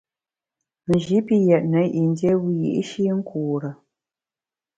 Nji pi yètne yin dié wiyi’shi nkure.